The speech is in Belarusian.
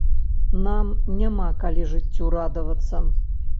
Нам няма калі жыццю радавацца.